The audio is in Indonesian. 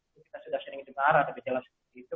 itu kita sudah sering ditarah ada gejala seperti itu